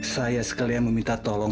saya sekalian meminta tolong